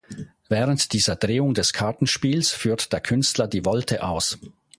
Während dieser Drehung des Kartenspiels führt der Künstler die Volte aus.